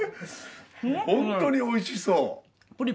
ホントに美味しそう。